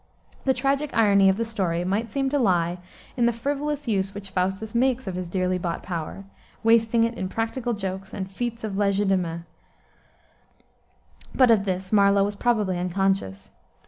The tragic irony of the story might seem to lie in the frivolous use which Faustus makes of his dearly bought power, wasting it in practical jokes and feats of legerdemain; but of this Marlowe was probably unconscious.